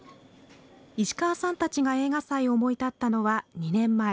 石河さんたちが映画祭を思い立ったのは２年前。